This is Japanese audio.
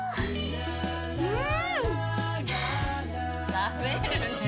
食べるねぇ。